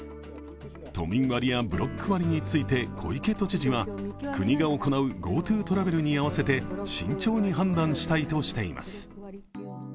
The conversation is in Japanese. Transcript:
都民割やブロック割について、小池都知事は国が行うＧｏＴｏトラベルに合わせて慎重に判断したいとしています。